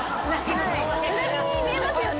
ウナギに見えますよね。